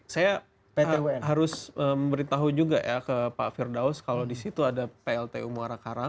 saya harus memberitahu juga ya ke pak firdaus kalau di situ ada pltu muara karang